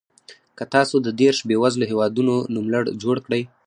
که تاسو د دېرش بېوزلو هېوادونو نوملړ جوړ کړئ.